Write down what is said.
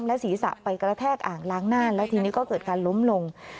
และศีรษะไปกระแทกอ่างล้างหน้าแล้วทีนี้ก็เกิดการล้มลง